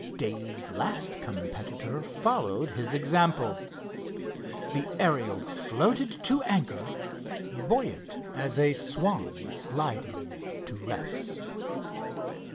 Dave's last competitor followed his example. The Ariel floated to anchor, buoyant as a swan gliding to rest.